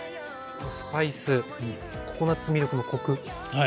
スパイスココナツミルクのコク。